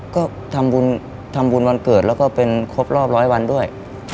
ก็ทำบุญวันเกิดแล้วก็เป็นครบรอบร้อยวันด้วย